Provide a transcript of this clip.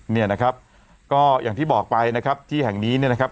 เนี่ยนะครับก็อย่างที่บอกไปนะครับที่แห่งนี้เนี่ยนะครับ